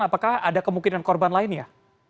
apakah ada kemungkinan korban lainnya